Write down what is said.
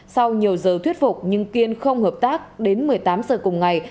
sau nhiều giờ thuyết phục nhưng kiên không hợp tác đến một mươi tám giờ cùng ngày